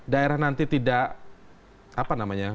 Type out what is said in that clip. daerah nanti tidak apa namanya